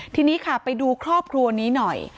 ทีนี้ค่ะไปดูครอบครัวนี้หน่อย